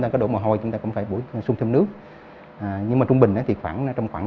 ta có đổ mồ hôi chúng ta cũng phải buổi xuân thêm nước nhưng mà trung bình thì khoảng trong khoảng